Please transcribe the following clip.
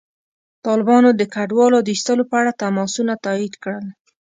طالبانو د کډوالو د ایستلو په اړه تماسونه تایید کړل.